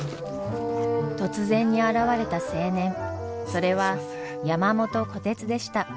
突然に現れた青年それは山元虎鉄でした。